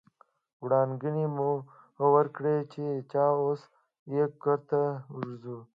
وړانګې مو وکرلې ځي چې اوس یې کرته ورځو